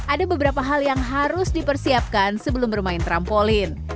ada beberapa hal yang harus dipersiapkan sebelum bermain trampolin